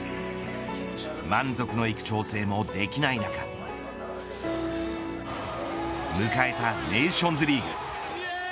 満足のいく調整もできない中迎えたネーションズリーグ。